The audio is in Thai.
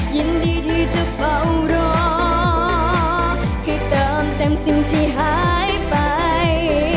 ยินดีที่จะเฝ้ารอที่เติมเต็มสิ่งที่หายไป